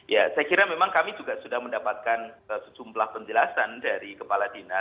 ya saya kira memang kami juga sudah mendapatkan sejumlah penjelasan dari kepala dinas